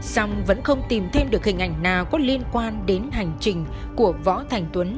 song vẫn không tìm thêm được hình ảnh nào có liên quan đến hành trình của võ thành tuấn